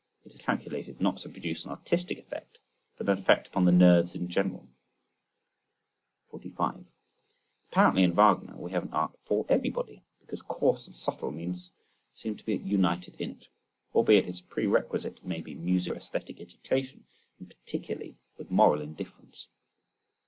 It is calculated not to produce an artistic effect but an effect upon the nerves in general. 45. Apparently in Wagner we have an art for everybody, because coarse and subtle means seem to be united in it. Albeit its pre requisite may be musico æsthetic education, and particularly with moral indifference.